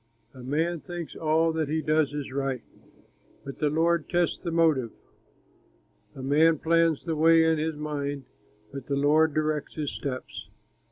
A man thinks all that he does is right, But the Lord tests the motive. A man plans the way in his mind, But the Lord directs his steps.